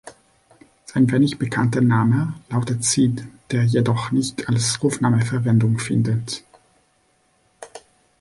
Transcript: Sein wenig bekannter Name lautet Sid, der jedoch nicht als Rufname Verwendung findet.